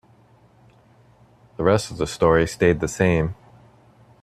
The rest of the story stayed the same.